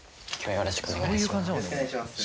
よろしくお願いします。